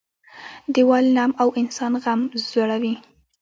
- دیوال نم او انسان غم زړوي.